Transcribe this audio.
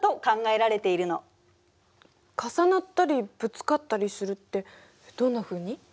重なったりぶつかったりするってどんなふうに？